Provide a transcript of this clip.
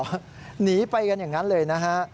หนีไปกันอย่างนั้นเลยนะฮะ